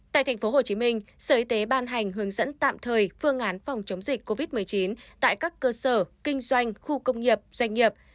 tại tp hcm sở y tế ban hành hướng dẫn tạm thời phương án phòng chống dịch covid một mươi chín tại các cơ sở kinh doanh khu công nghiệp doanh nghiệp